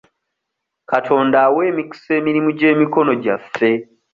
Katonda awa emikisa emirimu gy'emikono gyaffe.